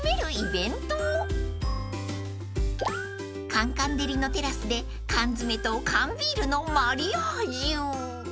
［カンカン照りのテラスで缶詰と缶ビールのマリアージュ］